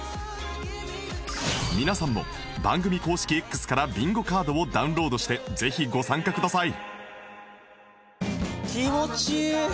皆さんも番組公式 Ｘ からビンゴカードをダウンロードしてぜひご参加ください